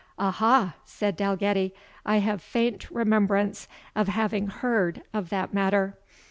"Ah ha!" said Dalgetty; "I have faint remembrance of having heard of that matter.